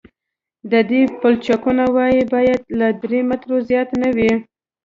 د دې پلچکونو وایه باید له درې مترو زیاته نه وي